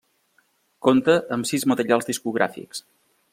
Compta amb sis materials discogràfics.